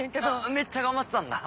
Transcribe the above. めっちゃ頑張ってたんだ。